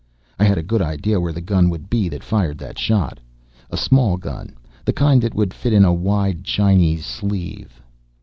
I had a good idea where the gun would be that fired that shot. A small gun, the kind that would fit in a wide Chinese sleeve.